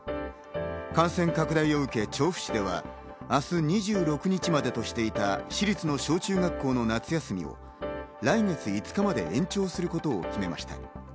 感染拡大を受け、調布市では明日２６日までとしていた市立の小中学校の夏休みを来月５日まで延長することを決めました。